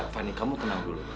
fani kamu tenang dulu